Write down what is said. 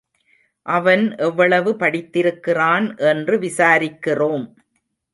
அவன் எவ்வளவு படித்திருக்கிறான் என்று விசாரிக்கிறோம்.